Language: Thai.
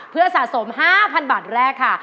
เพื่อสะสม๕๐๐๐บาทแรกค่ะ